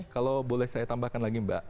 kalau boleh saya tambahkan lagi mbak